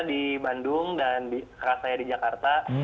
di bandung dan keras saya di jakarta